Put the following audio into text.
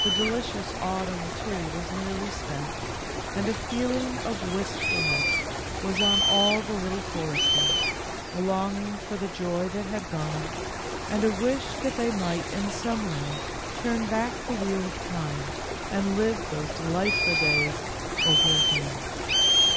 The delicious autumn, too, was nearly spent, and a feeling of wistfulness was on all the Little Foresters, a longing for the joy that had gone, and a wish that they might in some way turn back the "wheel of time" and live those delightful days over again.